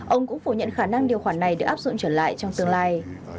ông cũng phủ nhận khả năng điều khoản này được áp dụng trở lại trong tương lai